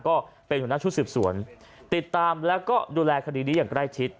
ก็เป็นหัวหน้าชุดสืบสวนติดตามแล้วก็ดูแลคดีนี้อย่างใกล้ชิด